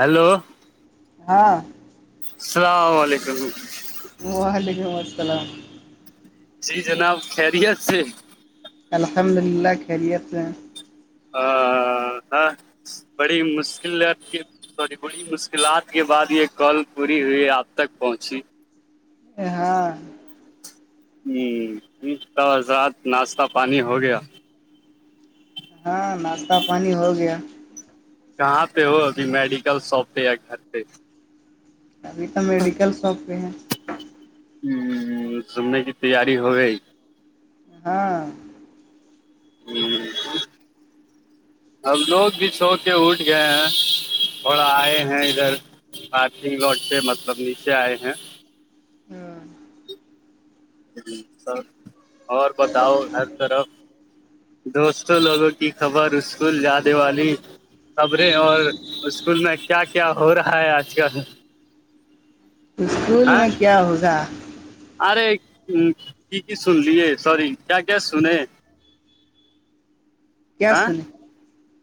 hello ہاں السلام علیکم وعلیکم السلام جی جناب خیریت سے الحمد للہ خیریت سے ہاں بڑی مشکلات کی سی بڑی مشکلات کے بعد یہ کال پوری ہوئی آپ تک پہنچی ا ہاں ہضرات ناشتہ پانی ہو گیا ہاں ناشتہ پانی ہو گیا کہاں پہ ہو ابھی میڈیکل شاپ پہ یا گھر پہ ابھی تو میڈیکل شاپ پہ ہے ہ سننے کی تیاری ہو گئی ہاں ہوں اب لوگ بھی سو کے اٹھ گئے ہیں اور آئے ہیں ادھر پارکنگ لاٹ پہ مطلب نیچے آئے ہیں ہاں جی س اور بتاؤ ہر طرف دوستوں لوگوں کی خبر اسکول جدے والی خبریں اور اسکول میں کیا کیا ہو رہا ہے آج کل اسکول ہاں میں کیا ہوگا ارے کی کی سن لیے سوری کیا کیا سن کیا ہ سنے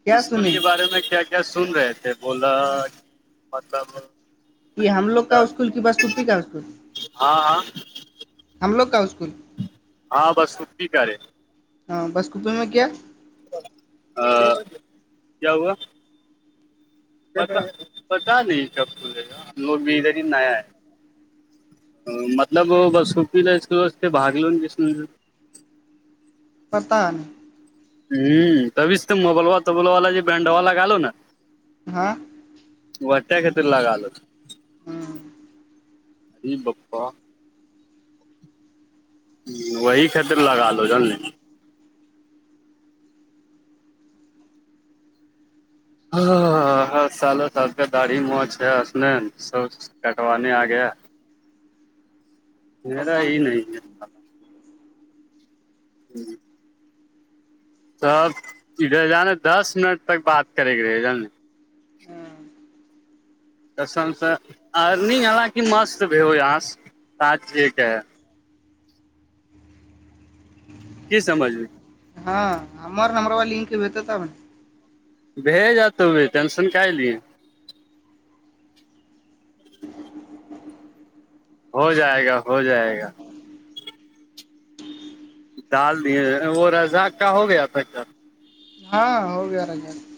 کیا اسکول سنے کے بارے میں کیا کیا کیا سن رہے تھے بولا مطلب یہ ہم لوگ کا اسکول کی بس کپی کا اسکول ہاں ہاں ہم لوگ کا اسکول ہاں بس کپی کرے ہاں بس کپو میں کیا ہ کیا ہوا پتا نہیں کیابولے گا لوگ بھی ادھر ہی نیا ہے مطلب بس سوپی ل اسکولے باگ ل پرتان ہوں کبھی تو مبل و توبل والا ج برانڈ والا گالو نا ہاں وٹیا خطر لگال ہاں جی بپا وہی ختر لگا لو جان ہاں ہ ہر سالو سال کا داڑی ماچ ہے اس سو کٹوانے آ گیا میرا یہ نہیں ہے ہی سب ادھر جانے دس منٹ تک بات کرے کے رہے جان [inaudible] تو س سے ارننگ حالانکہ مست بھی س راتی کے [unintelligible] کی سمجھو [unintelligible] ہاں ہممر نمبر وال لک بت تو نے [unintelligible] بھیج ج ٹینسن کا لی [unintelligible] ہو جائے گا ہو جائے گا ڈال دیے وہ رضا کا ہو گیا تھا کل ہاں ہو گیا را ج [unintelligible]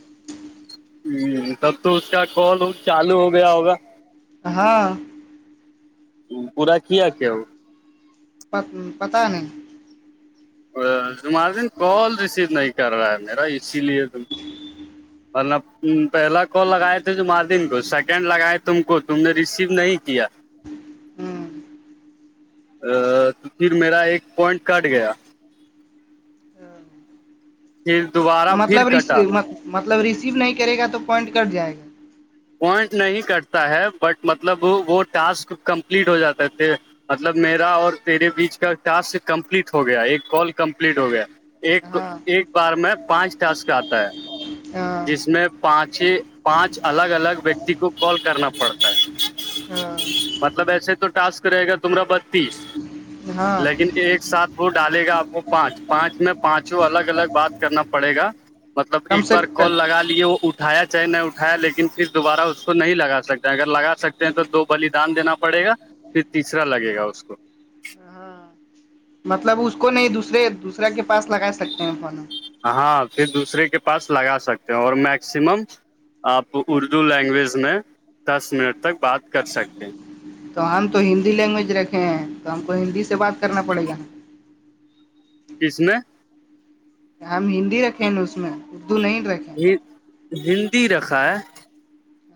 ہ تب تو اس کا کال چالو ہو گیا ہوگا ہاں پورا کیا کیا ہو پ پت نہیں [unintelligible] تمہارے دن کال ریسیو نہیں کر رہا ہے میرا اسی لیے تم نہ پہلا کال لگائے تھے جماردن کو سیکنڈ لگائے تم کو تم نے ریسیو نہیں کیا [unintelligible] نہیں ا تو پھر میرا ایک پوائنٹ کاٹ گیا پھر دوبار مطلب مطلب ریسیو نہیں کرے گا تو پوائنٹ کٹ جائے گا پوائنٹ نہیں کرتا ہے بٹ مطلب وہ ٹاسک کمپلیٹ ہو جاتا تھے مطلب میرا اور تیرے بیچ کا ٹاسک کمپلیٹ ہو گیا ایک کال کمپلیٹ ہو گیا ایک ہاں ایک بار میں پانچ ٹاسک آتا ہے ہاں جس میں پانچ ہی پانچ الگ الگ ویکتی کو کال کرنا پڑتا ہے ہاں مطلب ایسے تو ٹاسک رہے گا تمرا بتیس ہاں لیکن ایک ساتھ وہ ڈالے گا آپ کو پانچ پانچ میں پانچوں الگ الگ بات کرنا پڑے گا مطلب کم ایک سے بار کال لگا لے وہ اٹھایا چاہے نہیں اٹھایا لیکن دوبارہ اس کو نہیں لگا سکتا اگر لگا سکتے ہیں تو دو بلیدان دینا پڑے گا پھر تیسرا لگے گا اس کو ہاں مطلب اس کو نہیں دوسرے دوسرے کے پاس لگا سکتے ہیں فون ہاں پھر دوسرے کے پاس لگا سکتے ہیں اور میکسیمم آپ اردو لینگویج میں دس منٹ تک بات کر سکتے ہیں تو ہم تو ہندی لینگویج رکھے ہیں تو ہم کو ہندی سے بات کرنا پڑے گا کس میں ہم ہندی رکھیں نا اس میں اردو نہیں رکھے ہ ہندی رکھا ہے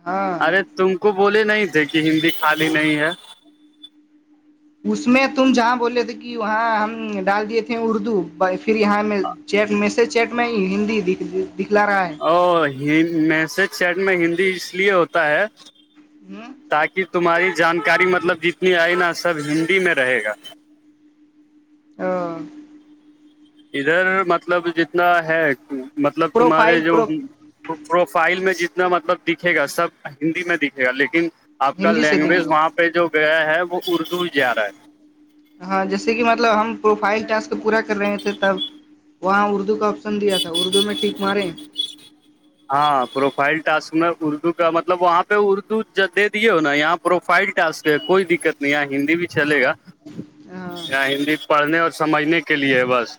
ہاں ارے تم کو بولے نہیں تھے کہ ہندی خالی نہیں ہے اس میں تم جہاں بولے تھے کہ وہاں ہم ڈال دیے تھے اردو پھر یہاں میں چیٹ میسج چیٹ میں ہی ہندی دکھ دکھلا رہا ہے او میسج چیٹ میں ہندی اس لیے ہوتا ہے ہاں تاکہ تمہاری جانکاری مطلب جتنی آئے نا سب ہندی میں رہے گا [inaudible] ادھر مطلب جتنا ہے مطلب تمہارے پروفائل جو پرو تو پروفائل میں جتنا مطلب دکھے گا سب ہندی میں دکھے گا لیکن آپ کا ہندی سے لینگویج دکھے وہاں گا پہ جو گیا ہے وہ اردو ہی جا رہا ہے ہاں جیسے کہ مطلب ہم پروفائل ٹس کو پورا کر رہے تھے تب وہاں اردو کا آپشن دیا تھا اردو میں ٹیک مارے ہاں پروفائل ٹسک میں اردو کا مطلب وہاں پہ اردو دے دیے ہو نا یہاں پہ پروفائل ٹاسک ہے کوئی دقت نہیں یہ ہندی بھی چلے گا ہاں ہندی پڑھنے اور سمجھنے کے لیے ہے بس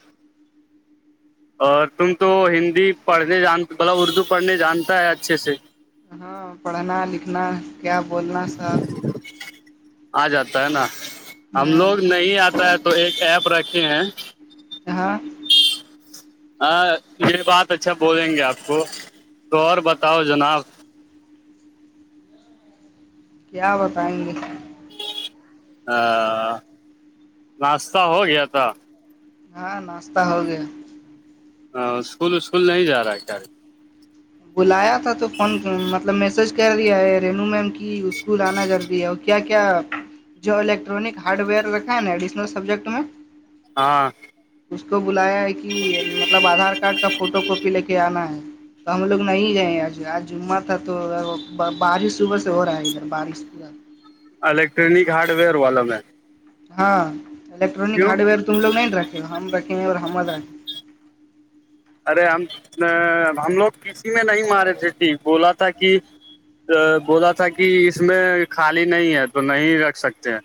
اور تم تو ہندی پڑھنے جان مطلب اردو پڑھنے جانتا ہے اچھے سے ہاں پڑھنا لکھنا کیا بولنا سحب آ جاتا ہے نا ہم ہاں لوگ نہیں آتا ہے تو ایک ایپ رکھے ہیں ہاں ہاں یہ بات اچھا بولیں گے آپ کو تو اور بتاؤ جناب کیا بتائیں گے ناشتہ ہو گیا تھا ہاں ناستاہ ہو گیا ہاں اسکول اسکول نہیں جا رہا ہے کیال بلایا تھا تو فون مطلب میسج کر دیا ہے رینو میم کی اسکول آنا ضروری ہے اور کیا کیا جو الیکٹرانک ہارڈ ویئر رکھا ہے ایڈیشنل سبجیکٹ میں ہاں اس کو بلایا ہے کہ مطلب آدھار کارڈ کا فوٹو کاپی لے کے آنا ہے تو ہم لوگ نہیں گئے ہیں آج آج جمعہ تھا تو بارش صبح سے ہو رہا ہے ادھر بارش تھی الیکٹرانک ہارڈ ویئر والا میں ہاں الیکٹرانک کیوں ہارڈ ویئر تم لوگ نہیں رکھے ہم رکھیں اور ہم ارے ہم ہم لوگ کسی میں نہیں مارے تھے ٹھیک بولا تھا کہ بولا تھا کہ اس میں خالی نہیں ہے تو نہیں رکھ سکتے ہیں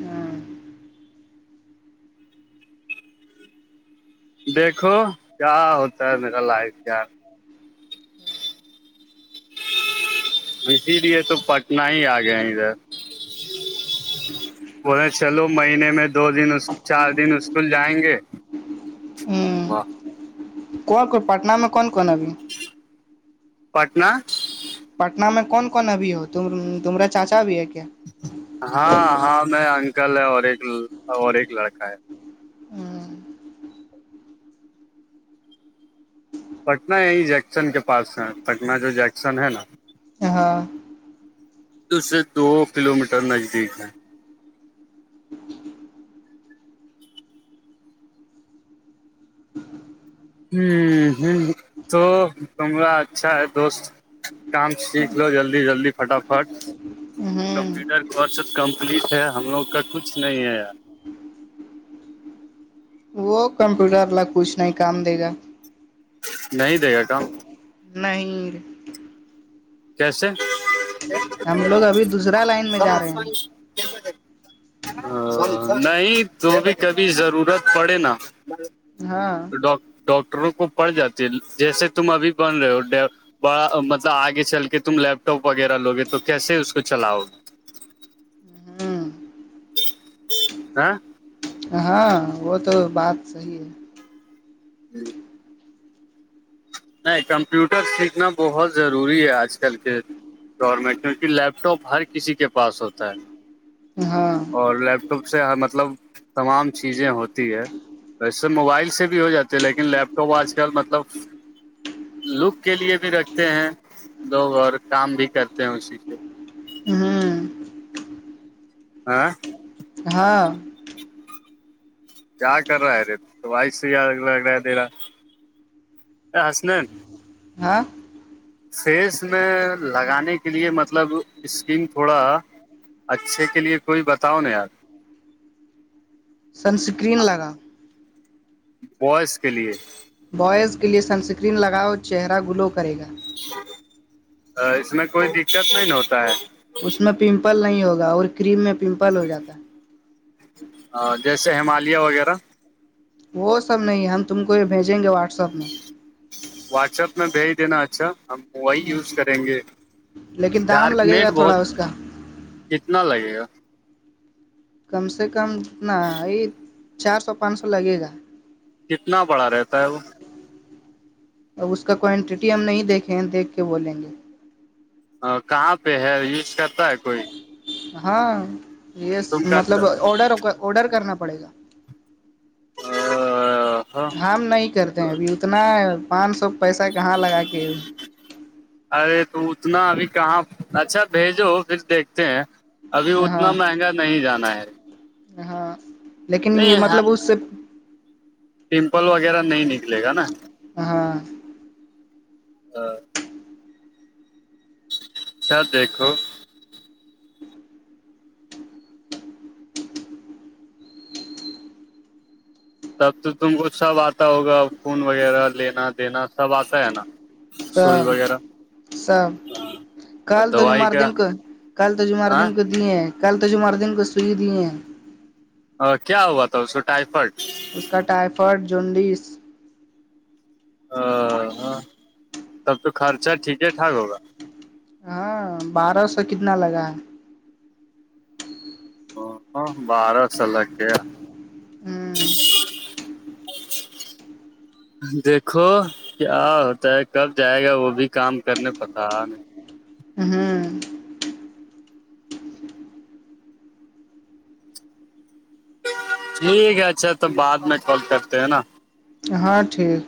ہاں دیکھو کیا ہوتا ہے میرا لائف کیا اسی لیے تو نہیں آ گیا ادھر بولےیں چلو مہینے میں دو دن اس چار دن اسکول جائیں گے واہ کون کون پٹہ میں کون کون ابھی پٹنہ پٹن میں کون کون ابھی ہو تمرا چاچا بھی ہے کیا ہاں ہاں میں انکل ہے اور ایک اور ایک لڑکا ہے پٹنہ یہی جیکسن کے پاس ہے پٹنہ جو جیکسن ہے نا ہاں تو سے دو کلو میٹر نزدیک ہے ہوں تو کمرہ اچھا ہے دوست کام سیکھ لو جلدی جلدی فٹافٹ ہ کمپیوٹرورس کمپلیٹ ہے ہم لوگ کا کچھ نہیں ہے یار وہ کمپیوٹر وال کچھ نہیں کام دے گا نہیں دے گا کام نہیں کیسے ہم لوگ ابھی دوسرا لائن میں جا رہے ہیں نہیں تو بھی کبھی ضرورت پڑے نا ہاں ڈاکٹروں کو پڑ جاتی ہے جیسے تم ابھی بن رہے ہو بڑا مطلب آگے چل کے تم لیپ ٹاپ وغیرہ لوگے تو کیسے اس کو چلاؤ گے ہ [inaudible] ہاں وہ تو بات صحیح ہے جی نہیں کمپیوٹر سیکھنا بہت ضروری ہے آج کل کے گور میں کیونکہ لیپٹاپ ہر کسی کے پاس ہوتا ہے ہاں اور لیپ ٹاپ سے ہر مطلب تمام چیزیں ہوتی ہے ویسے موبائل سے بھی ہو جاتے ہے لیکن لیپ ٹاپ آج کل مطلب لک کے لیے بھی رکھتے ہیں لوگ اور کام بھی کرتے ہیں اسی سے ہممم ہاں ہاں کیا کر رہا ہے رے تو وائف سے لگ رہا ہے تیرا حسنین ہاں فیس میں لگانے کے لیے مطلب اسکن تھوڑا اچھے کے لیے کوئی بتاؤ نہیں یار سن اسکرین لگا بویس کے لیے بوئز کے لیے سنسکرین لگاؤ چہرہ گلو کرے گا اس میں کوئی دقت نہیں ہوتا ہے اس میں پمپل نہیں ہوگا اور کریم میں پمپل ہو جاتا ہے ہاں جیسے ہمالیہ وغیرہ وہ سب نہیں ہم تم کو یہ بھیجیں گے واٹسپ میں واٹسیپ میں بھیج دینا اچھا ہم وہی یوز کریں گے لیکن دام لگے گا ڈارکنیٹ تھوڑا بہت اس کا کتنا لگے گا کم سے کم اتنا یہ چار سو پانچ سو لگے گا کتنا بڑا رہتا ہے وہ اب اس کا کوانٹیٹی ہم نہیں دیکھے ہیں دیکھ کے بولیں گے کہاں پہ ہے یوز کرتا ہے کوئی ہاں یہ تم کا مطلب آڈر آڈر کرنا پڑے گا اہہہہ ہاں ہم نہیں کرتے ہیں ابھی اتنا پانچ سو پیسہ کہاں لگا کے ارے تو اتنا ابھی کہاں اچھا بھیجو پھر دیکھتے ہیں ابھی ہاں اتنا مہنگا نہیں جانا ہے ہاں لیکن یہ نہیں ہاں مطلب اس سے پمپل وغیرہ نہیں نکلے گا نا ہاں ہاں [inaudible] اچھا دیکھو تب تو تم کو سب آتا ہوگا فون وغیرہ لینا دینا سب آتا ہے نا سوئی سب وغیرہ سب اور کل تو دوائی جمار کا دن کو کل تو جمار ہاں دن کو دی ہیں کل تو جمر دن کو سوئی دی ہیں کیا ہوا تھا اسکو ٹائیفائڈ اس کا ٹائیفائڈ جونڈس ا ہاں تب تو خرچہ ٹھیک ہے ٹھاک ہوگا ہاں بارہ سو کتنا لگا ہے بارہ سال کیا ہمممم دیکھو کیا ہوتا ہے کب جائے گا وہ بھی کام کرنے پتا نہیں اہممم ٹھیک ہے اچھا تو بعد میں کال کرتے ہیں نا ہاں ٹھیک